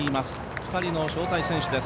２人の招待選手です。